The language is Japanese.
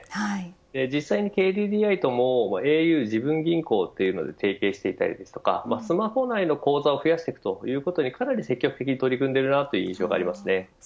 実際にＫＤＤＩともａｕ自分銀行で提携していたりスマホ内の口座を増やしていくということにかなり積極的に取り組んでいる印象があります。